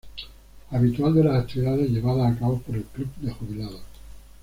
Habitual de las actividades llevadas a cabo por el club de jubilados.